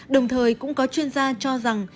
đồng thời cũng có chuyên gia cho rằng